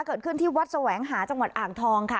เกิดขึ้นที่วัดแสวงหาจังหวัดอ่างทองค่ะ